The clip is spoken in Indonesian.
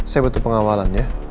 saya butuh pengawalan ya